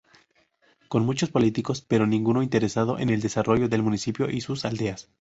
Con muchos políticos pero ninguno interesado en el desarrollo del municipio y sus aldeas.